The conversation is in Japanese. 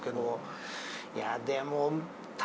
いやあでも。